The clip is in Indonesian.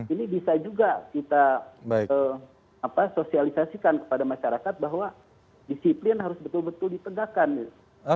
ini bisa juga kita sosialisasikan kepada masyarakat bahwa disiplin harus betul betul ditegakkan gitu